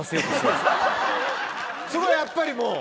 そこはやっぱりもう。